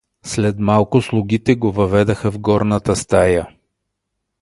След малко слугите го въведоха в горната стая.